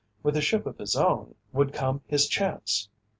With a ship of his own, would come his chance.